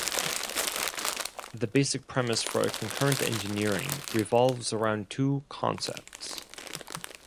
The basic premise for concurrent engineering revolves around two concepts.